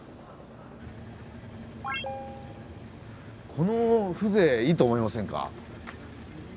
この風情いいと思いませんか。